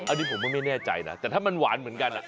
อันนี้ผมก็ไม่แน่ใจนะแต่ถ้ามันหวานเหมือนกัน